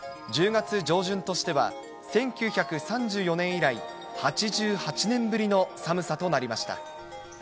１０月上旬としては、１９３４年以来、８８年ぶりの寒さとなりました。